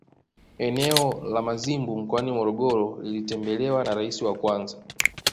Eneo la Mazimbu mkoani Morogoro lilitembelewa na Rais wa kwanza